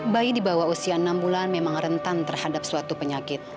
bayi di bawah usia enam bulan memang rentan terhadap suatu penyakit